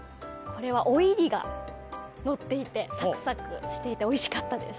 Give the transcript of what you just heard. これはオイリガがのっていてサクサクしておいしかったです。